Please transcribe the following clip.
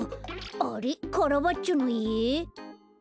あれっカラバッチョのいえ？